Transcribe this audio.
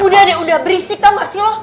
udah deh udah berisik tau gak sih lo